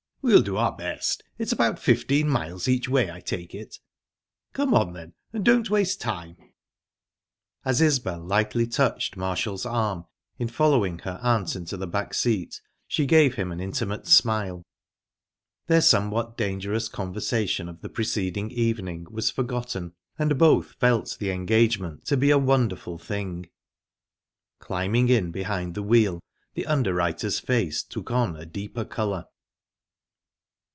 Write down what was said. "We'll do our best. It's about fifteen miles each way, I take it." "Come on, then, and don't waste time." As Isbel lightly touched Marshall's arm in following her aunt into the back seat, she gave him an intimate smile. Their somewhat dangerous conversation of the preceding evening was forgotten, and both felt the engagement to be a wonderful thing. Climbing in behind the wheel, the underwriter's face took on a deeper colour.